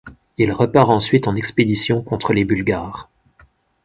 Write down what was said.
Il repart ensuite en expédition contre les Bulgares.